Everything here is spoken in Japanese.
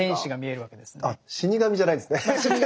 死に神じゃないですね。